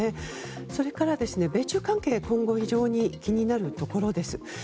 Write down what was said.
それから、米中関係今後非常に気になるところです。